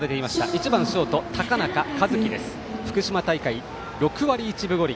１番ショート、高中一樹福島大会６割１分５厘。